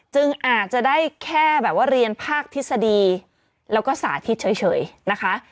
อาจจะได้แค่แบบว่าเรียนภาคทฤษฎีแล้วก็สาธิตเฉยนะคะ